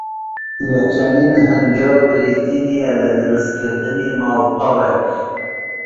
یەکەمین هەنگاو بریتی نییە لە درووست کردنی ماڵپەڕێک